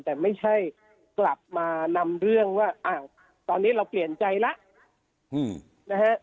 แต่ไม่ใช่กลับมานำเรื่องว่าอ้าวตอนนี้เราเปลี่ยนใจแล้วนะฮะ